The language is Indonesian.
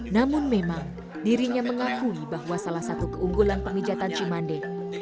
namun memang dirinya mengakui bahwa salah satu keunggulan medis itu adalah kegiatan